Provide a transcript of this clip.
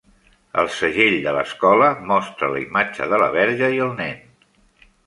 El segell de l'escola mostra la imatge de la verge i el nen.